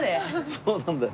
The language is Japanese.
そうなんだよ。